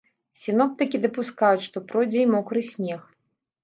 Сіноптыкі дапускаюць, што пройдзе і мокры снег.